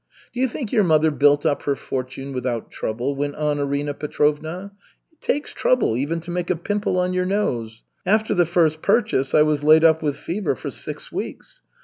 "Do you think your mother built up her fortune without trouble?" went on Arina Petrovna. "It takes trouble even to make a pimple on your nose. After the first purchase I was laid up with fever for six weeks.